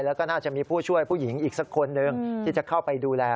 แล้วก็น่าจะมีผู้ช่วยผู้หญิงอีกสักคนหนึ่งที่จะเข้าไปดูแล